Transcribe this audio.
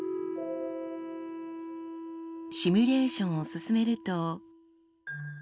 シミュレーションを進めると。